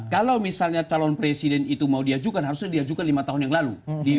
kalau misalnya calon presiden itu mau diajukan harusnya diajukan lima tahun yang lalu